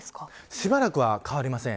しばらくは変わりません。